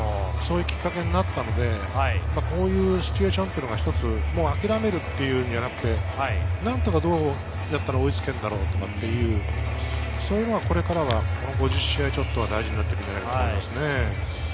そういうきっかけになったので、こういうシチュエーションは一つ諦めるっていうんじゃなくて、何とかどうやったら追いつけるだろうかっていう、そういうのがこれからは５０試合ちょっと、大事なってくるんじゃないですかね。